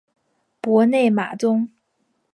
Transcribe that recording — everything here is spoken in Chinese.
博内马宗。